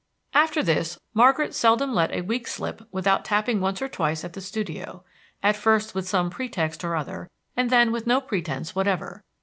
After this, Margaret seldom let a week slip without tapping once or twice at the studio, at first with some pretext or other, and then with no pretense whatever.